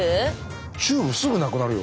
チューブすぐなくなるよ？